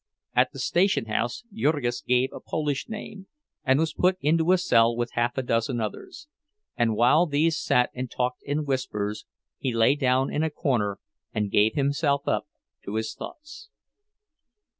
At the station house Jurgis gave a Polish name and was put into a cell with half a dozen others; and while these sat and talked in whispers, he lay down in a corner and gave himself up to his thoughts.